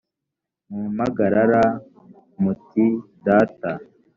mumpamagara muti data